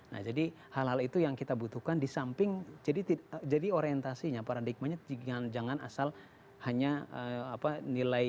nah jadi hal hal itu yang kita butuhkan di samping jadi orientasinya paradigmanya jangan asal hanya nilai